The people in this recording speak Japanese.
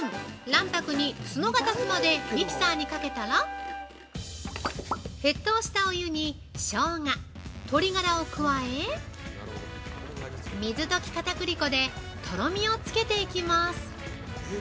卵白に角が立つまでミキサーにかけたら沸騰したお湯に、しょうが、鶏ガラを加え、水溶きかたくり粉でとろみをつけていきます。